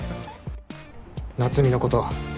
夏海のこと